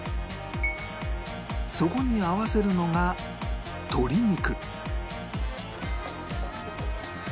そこに合わせるのが鶏肉